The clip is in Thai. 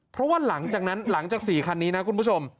เพราะว่าหลังจากนั้นหลังจาก๔คันนี้นะคุณผู้ชม